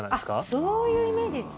そういうイメージか。